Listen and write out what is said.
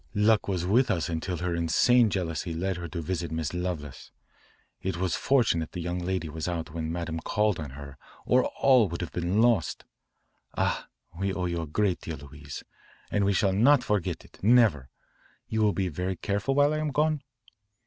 Luck was with us until her insane jealousy led her to visit Miss Lovelace. It was fortunate the young lady was out when Madame called on her or all would have been lost. Ah, we owe you a great deal, Louise, and we shall not forget it, never. You will be very careful while I am gone?"